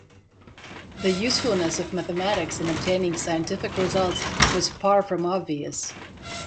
The usefulness of mathematics in obtaining scientific results was far from obvious.